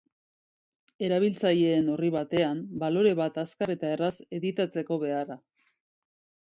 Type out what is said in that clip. Erabiltzaileen, orri batean balore bat azkar eta erraz editatzeko beharra.